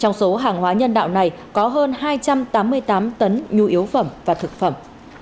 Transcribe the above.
trong số hàng hóa nhân đạo này có hơn hai trăm tám mươi tám tấn nhu yếu phẩm và thực phẩm